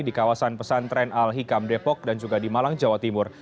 di kawasan pesantren al hikam depok dan juga di malang jawa timur